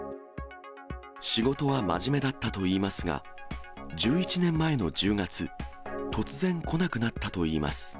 仕事は真面目だったといいますが、１１年前の１０月、突然、来なくなったといいます。